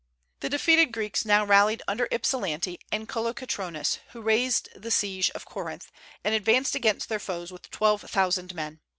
The defeated Greeks now rallied under Ypsilanti and Kolokotronis, who raised the siege of Corinth, and advanced against their foes with twelve thousand men.